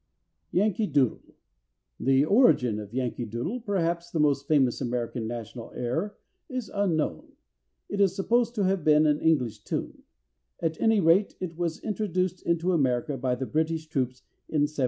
=Yankee Doodle.= The origin of Yankee Doodle, perhaps the most famous American national air, is unknown. It is supposed to have been an English tune. At any rate, it was introduced into America by the British troops in 1775.